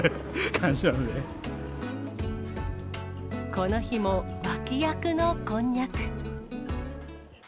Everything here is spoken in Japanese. この日も脇役のこんにゃく。